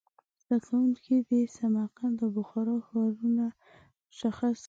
زده کوونکي دې سمرقند او بخارا ښارونه مشخص کړي.